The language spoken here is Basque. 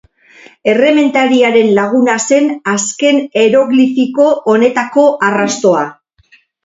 Errementariaren laguna zen azken eroglifiko honetako arrastoa.